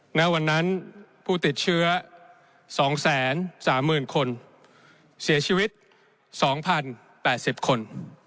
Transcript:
ณวันนั้นผู้ติดเชื้อ๒๓๐๐๐คนเสียชีวิต๒๐๘๐คน